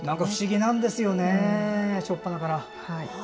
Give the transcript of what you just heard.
不思議なんですよねしょっぱなから。